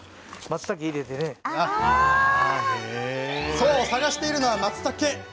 そう、探しているのはまつたけ。